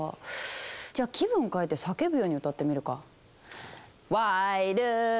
じゃあ気分変えて叫ぶように歌ってみるか。